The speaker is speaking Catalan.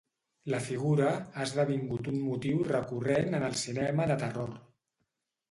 La figura ha esdevingut un motiu recurrent en el cinema de terror.